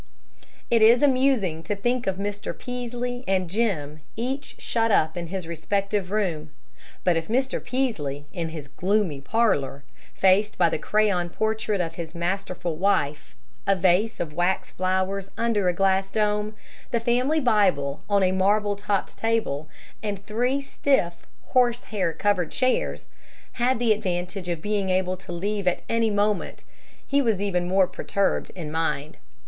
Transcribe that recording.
It is amusing to think of Mr. Peaslee and Jim each shut up in his respective room; but if Mr. Peaslee in his gloomy parlor faced by the crayon portrait of his masterful wife, a vase of wax flowers under a glass dome, the family Bible on a marble topped table, and three stiff horsehair covered chairs had the advantage of being able to leave at any moment, he was even more perturbed in mind.